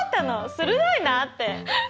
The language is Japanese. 鋭いなって。